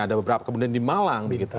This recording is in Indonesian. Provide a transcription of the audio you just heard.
ada beberapa kemudian di malang begitu